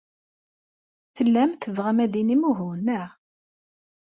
Tellam tebɣam ad d-tinim uhu, naɣ?